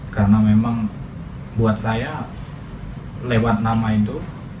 karena memang buat saya lewat nama itu